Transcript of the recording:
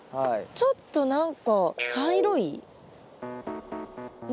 ちょっと何か茶色い？ね？